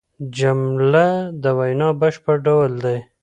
جمله د وینا بشپړ ډول دئ.